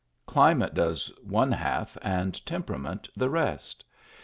Climate does one half and temperament the rest.